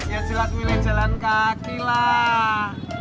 ya silat pilih jalan kaki lah